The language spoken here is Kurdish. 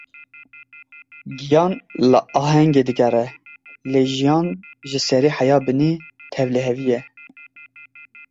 Giyan li ahengê digere, lê jiyan ji serî heya binî tevlihevî ye.